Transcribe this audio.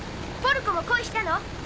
ポルコも恋したの？